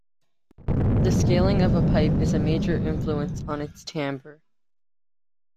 The scaling of a pipe is a major influence on its timbre.